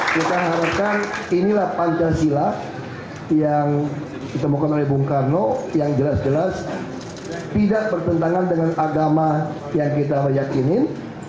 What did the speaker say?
kita harapkan inilah pancasila yang ditemukan oleh bung karno yang jelas jelas tidak bertentangan dengan agama yang kita meyakinin